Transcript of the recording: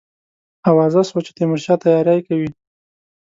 آوازه سوه چې تیمورشاه تیاری کوي.